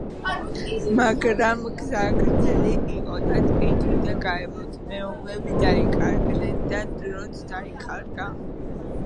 მაგრამ გზა გრძელი იყო და ტყით უნდა გაევლოთ, მეომრები დაიკარგნენ და დროც დაიკარგა.